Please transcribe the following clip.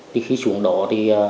thì khi xuống đó thì